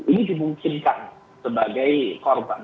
ini dimungkinkan sebagai korban